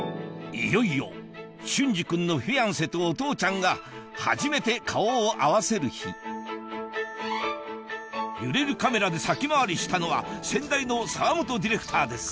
いよいよ隼司君のフィアンセとお父ちゃんが初めて顔を合わせる日揺れるカメラで先回りしたのは先代の澤本ディレクターです